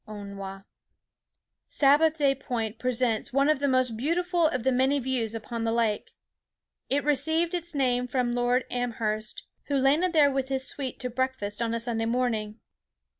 —ONTWA. Sabbath day Point presents one of the most beautiful of the many views upon the lake. It received its name from Lord Amherst, who landed there with his suite to breakfast on a Sunday morning.